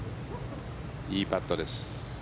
いいパットです。